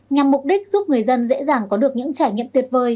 nhằm mục đích giúp người dân dễ dàng có được những trải nghiệm tuyệt vời